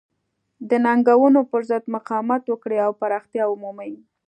د ننګونو پرضد مقاومت وکړي او پراختیا ومومي.